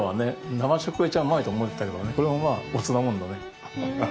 生食が一番うまいと思ってたけどねこれもまあ乙なもんだね。